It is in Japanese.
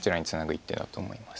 一手だと思います。